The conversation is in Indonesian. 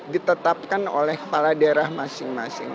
ditetapkan oleh kepala daerah masing masing